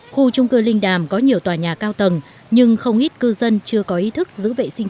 khu trung cư linh đàm có nhiều tòa nhà cao tầng nhưng không ít cư dân chưa có ý thức giữ vệ sinh